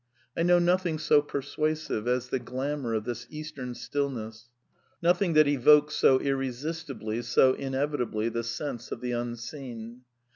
I know nothing so per \ Buasive as the glamour of this Eastern stillness, nothin^^''^^ that evokes so irresistibly, so inevitably the sense of the Unseen.